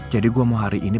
jadi gue mau hari ini